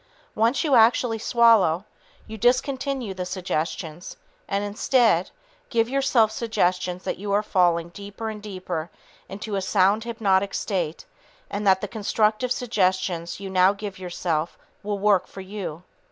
Once you actually swallow, you discontinue the suggestions and, instead, give yourself suggestions that you are falling deeper and deeper into a sound hypnotic state and that the constructive suggestions you now give yourself will work for you.